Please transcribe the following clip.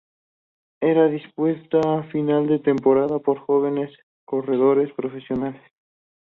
Era disputada a final de temporada por jóvenes corredores profesionales.